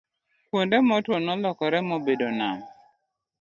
kuonde ma otwo nolokore mobedo nam